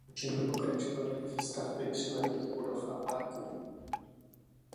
Po dokončení pokračovaly i výstavby přilehlých budov a parku.